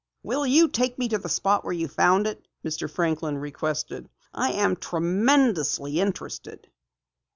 "Will you take me to the spot where you found it?" Mr. Franklin requested. "I am tremendously interested."